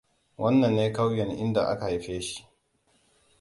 Wannan ne ƙauyen inda aka haife shi.